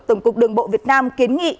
tổng cục đường bộ việt nam kiến nghị